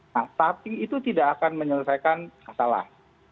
nah tapi itu tidak akan menyelesaikan masalah